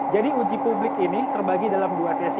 jadi uji publik ini terbagi dalam dua sesi